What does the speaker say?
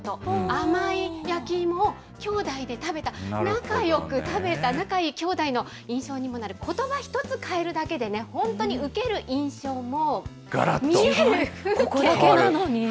甘い焼き芋をきょうだいで食べた、仲よく食べた、仲いい姉弟の印象にもなる、ことば１つ変えるだけでね、本当に受ける印象も見える風景も。